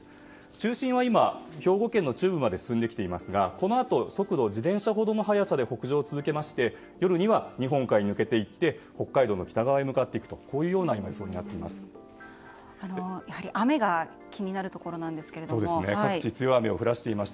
中心は今、兵庫県の中部まで進んできていますがこのあと、速度を自転車ほどの速さで北上を進めまして夜には日本海に抜けていって北海道の北側へやはり雨が各地、強い雨を降らせています。